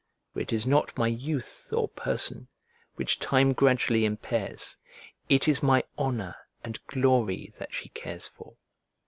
For it is not my youth or person, which time gradually impairs; it is my honour and glory that she cares for.